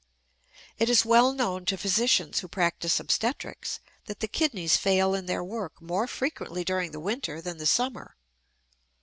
It is well known to physicians who practice obstetrics that the kidneys fail in their work more frequently during the winter than the summer.